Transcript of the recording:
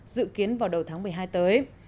dự kiến vào đầu tháng một mươi hai tới